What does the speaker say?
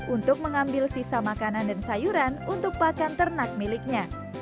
untuk mengambil sisa makanan dan sayuran untuk pakan ternak miliknya